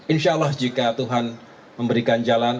insya allah jika tuhan memberikan jalan